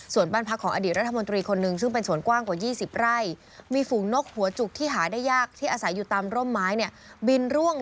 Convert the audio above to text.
สวนบ้านพักของอดีตรัฐมนตรีคนหนึ่งซึ่งเป็นสวนกว้างกว่า๒๐ไร่